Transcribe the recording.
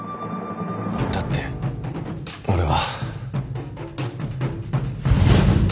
だって俺は。